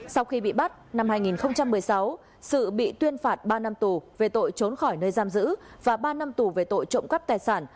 sau khi bị bắt năm hai nghìn một mươi sáu sự bị tuyên phạt ba năm tù về tội trốn khỏi nơi giam giữ và ba năm tù về tội trộm cắp tài sản